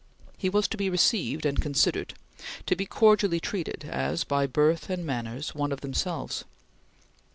He was to be received and considered; to be cordially treated as, by birth and manners, one of themselves.